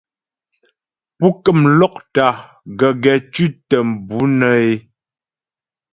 Pú kəm lɔ́kta gəgɛ tʉ̌tə mbʉ̌ nə́ é.